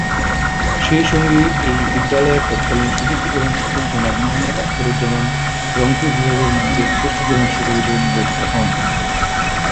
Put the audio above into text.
সেই সঙ্গে এ বিদ্যালয়ের তৎকালীন সুযোগ্য প্রধান শিক্ষক জনাব মোহাম্মদ আখতারুজ্জামান রংপুর বিভাগের মধ্যে শ্রেষ্ঠ প্রধান শিক্ষক হিসেবে নির্বাচিত হন।